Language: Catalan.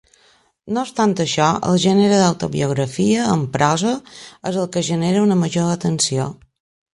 No obstant això, el gènere d'autobiografia en prosa és el que genera una major atenció.